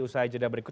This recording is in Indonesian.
usai jeda berikut